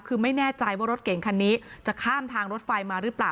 คือไม่แน่ใจว่ารถเก่งคันนี้จะข้ามทางรถไฟมาหรือเปล่า